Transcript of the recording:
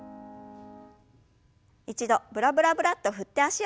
一度ブラブラブラッと振って脚をほぐしましょう。